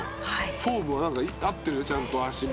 「フォームはなんか合ってるちゃんと足も」